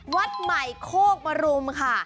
วัดใหม่โคกมรุมค่ะ